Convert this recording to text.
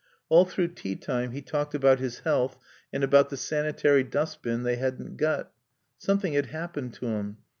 All through tea time he talked about his health and about the sanitary dustbin they hadn't got. Something had happened to him.